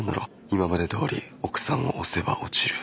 今までどおり奥さんを押せば落ちる。